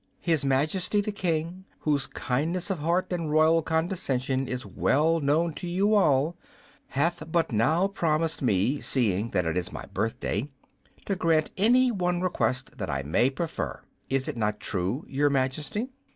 "His Majesty the King, whose kindness of heart and royal condescension is well known to you all, hath but now promised me, seeing that it is my birthday, to grant any one request that I may prefer. Is it not true, Your Majesty?"